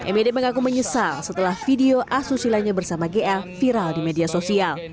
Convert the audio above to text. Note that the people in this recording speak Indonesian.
m y d mengaku menyesal setelah video asusilanya bersama ga viral di media sosial